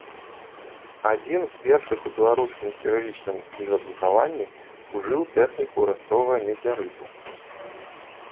Адзін з першых у беларускім кірылічным кнігадрукаванні ўжыў тэхніку разцовага медзярыту.